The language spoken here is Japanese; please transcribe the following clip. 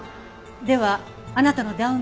ではあなたのダウン